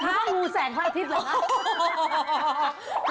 ผ้าหงูแสงควายพิศเลยค่ะ